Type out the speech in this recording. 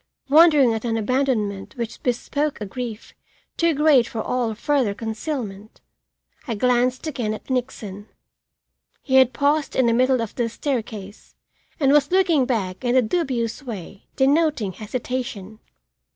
Wondering at an abandonment which bespoke a grief too great for all further concealment, I glanced again at Nixon. He had paused in the middle of the staircase and was looking back in a dubious way denoting hesitation.